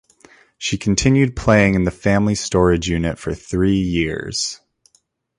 She continued playing in the family storage unit for three years.